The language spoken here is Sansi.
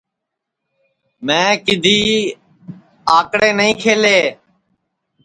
میں کِدھی اکڑے نائی کھیلے